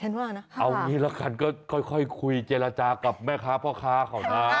เอางี้ละกันก็ค่อยคุยเจรจากับแม่ค้าพ่อค้าเขานะ